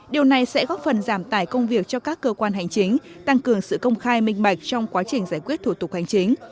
điều này sẽ góp phần giảm tải công việc cho các cơ quan hành chính tăng cường sự công khai minh bạch trong quá trình giải quyết thủ tục hành chính